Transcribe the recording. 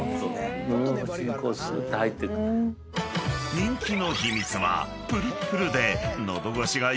［人気の秘密は］